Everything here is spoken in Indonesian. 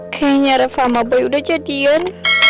kayaknya reforma boy udah jadian